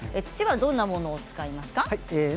どんなものを使いますか？